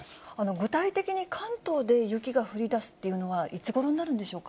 具体的に関東で雪が降りだすっていうのは、いつごろになるんでしょうか。